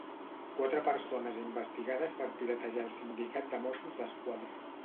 Quatre persones investigades per piratejar el Sindicat de Mossos d'Esquadra.